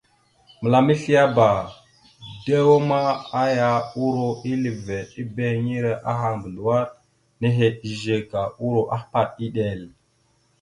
Mǝlam esleaba, dew ma, aya uro ille veɗ ebehiŋire aha mbazləwar nehe izze, ka uro ahpaɗ iɗel.